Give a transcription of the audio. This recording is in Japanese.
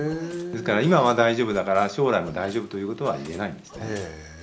ですから今は大丈夫だから将来も大丈夫ということは言えないんですね。